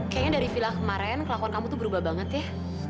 kayaknya dari villa kemarin kelakuan kamu tuh berubah banget ya